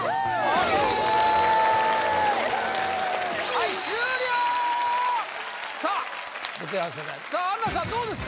はい終了さあベテラン世代さあアンナさんどうですか？